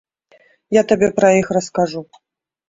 Я табе пра іх раскажу.